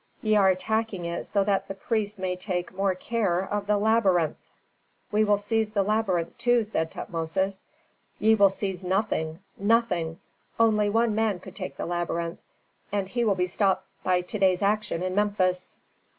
Ye are attacking it so that the priests may take more care of the labyrinth!" "We will seize the labyrinth, too," said Tutmosis. "Ye will seize nothing, nothing! Only one man could take the labyrinth, and he will be stopped by to day's action in Memphis."